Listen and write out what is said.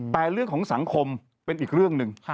แต่เรื่องของสังคมเป็นอีกเรื่องหนึ่ง